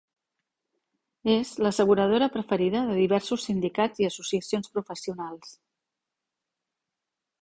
És l'asseguradora preferida de diversos sindicats i associacions professionals.